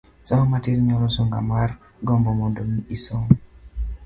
Somo matin nyuolo sunga kar gombo mondo mi isom.